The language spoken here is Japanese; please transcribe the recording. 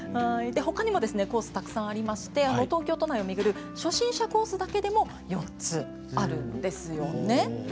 ほかにもコースがたくさんありまして、東京都内を巡る初心者コースだけでも４つあるんです。